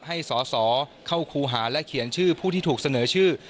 ให้สอสอเข้าครูหาและเขียนชื่อผู้ที่ถูกเสนอชื่อ